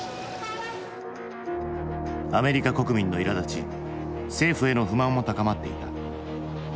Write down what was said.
アメリカ国民のいらだち政府への不満も高まっていた。